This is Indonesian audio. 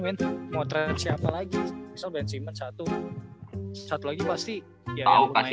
wind motret siapa lagi sel bensin satu satu lagi pasti tahu kasih